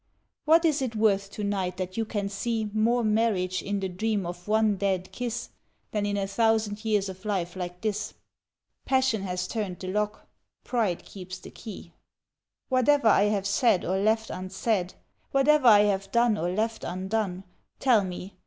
What is it worth to night that you can see More marriage in the dream of one dead kiss Than in a thousand years of life like this ? Passion has turned the lock, Pride keeps the key. " Whatever I have said or left unsaid. Whatever I have done or left undone, — Tell me.